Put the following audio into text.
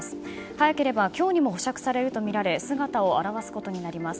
早ければ今日にも保釈されるとみられ姿を現すことになります。